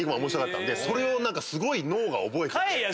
それをすごい脳が覚えてて。